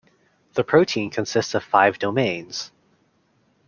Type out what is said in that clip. The protein consists of five domains.